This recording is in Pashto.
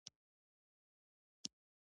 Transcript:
ایا زه باید پلازما ولګوم؟